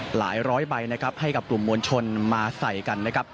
หลายร้อยใบนะครับให้กับกลุ่มมวลชนมาใส่กันนะครับ